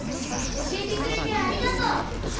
おしえてくれてありがとう！